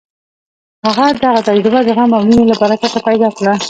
هغه دغه تجربه د غم او مینې له برکته پیدا کړه